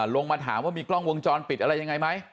ลงมาถามว่ามีกล้องวงจรปิดอะไรยังไงไหม